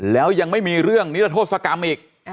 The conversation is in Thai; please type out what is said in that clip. แล้วยังไม่มีเรื่องนิรโทษกรรมอีก